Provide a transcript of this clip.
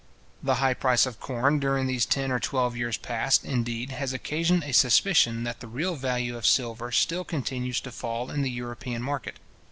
The high price of corn during these ten or twelve years past, indeed, has occasioned a suspicion that the real value of silver still continues to fall in the European market.